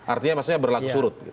artinya berlaku surut